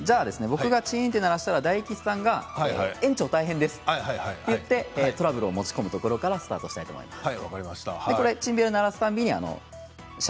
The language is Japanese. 僕がチーンと鳴らしたら大吉さんが園長、大変です！と言ってトラブルを持ち込むところからスタートとします。